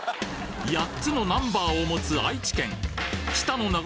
８つのナンバーを持つ愛知県。